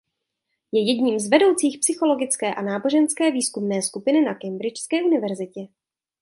Je jedním z vedoucích psychologické a náboženské výzkumné skupiny na Cambridgeské universitě.